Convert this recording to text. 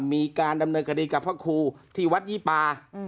มีการดำเนินคดีกับพระครูที่วัดยี่ปา